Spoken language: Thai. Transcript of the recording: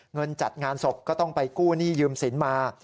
เงินจัดงานศพก็ต้องไปกู้หนี้ยืมสินมา